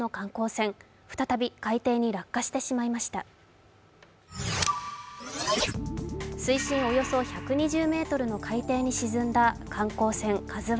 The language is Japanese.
水深およそ１２０ｍの海底に沈んだ観光船